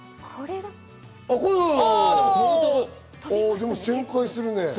でも旋回するね。